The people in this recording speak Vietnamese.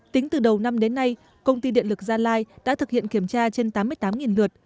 tính từ đầu năm đến nay công ty điện lực gia lai đã thực hiện kiểm tra trên tám mươi tám lượt